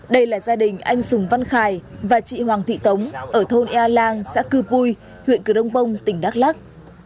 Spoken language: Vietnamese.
đây là gia đình anh sùng văn khải và chị hoàng thị tống ở thôn ea lan xã cư vui huyện cửa đông bông tỉnh đắk lóc